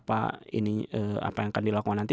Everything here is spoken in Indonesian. apa yang akan dilakukan nanti